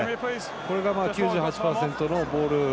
これが９８％のボール